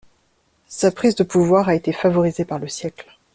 Sa prise de pouvoir a été favorisée par le siècle.